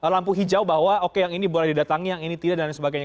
lampu hijau bahwa oke yang ini boleh didatangi yang ini tidak dan sebagainya